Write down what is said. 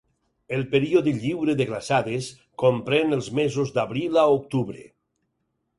El període lliure de glaçades comprèn els mesos d'abril a octubre.